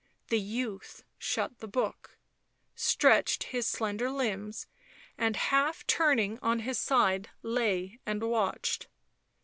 The youth shut the book, stretched his slender limbs, and, half turning on his side, lay and watched.